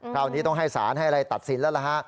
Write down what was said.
คราวนี้ต้องให้สารให้อะไรตัดสินแล้วล่ะฮะ